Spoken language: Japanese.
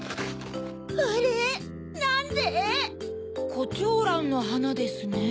コチョウランのはなですね。